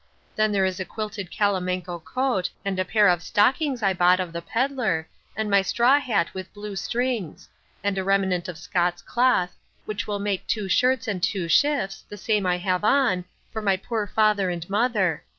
Then there is a quilted calamanco coat, and a pair of stockings I bought of the pedlar, and my straw hat with blue strings; and a remnant of Scots cloth, which will make two shirts and two shifts, the same I have on, for my poor father and mother.